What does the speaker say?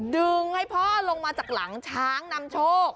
ดึงให้พ่อลงมาจากหลังช้างนำโชค